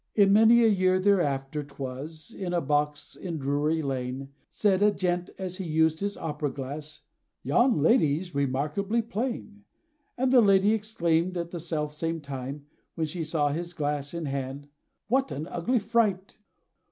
In many a year thereafter 'twas, In a box in Drury Lane, Said a gent, as he used his opera glass, "Yon lady's remarkably plain!" And the lady exclaimed, at the self same time, When she saw his glass in hand, "What an ugly fright!"